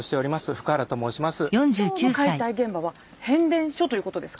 福原と申します。